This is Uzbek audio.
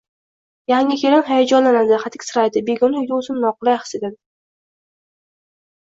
Yangi kelin hayajonlanadi, hadiksiraydi, begona uyda o‘zini noqulay his etadi.